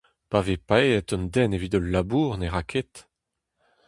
Pa vez paeet un den evit ul labour ne ra ket.